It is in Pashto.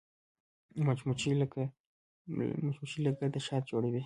مچمچۍ له ګرده شات جوړوي